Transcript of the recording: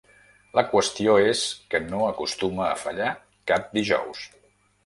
La qüestió és que no acostuma a fallar cap dijous.